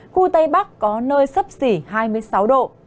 khu tây bắc có nơi sấp xỉ hai mươi sáu độ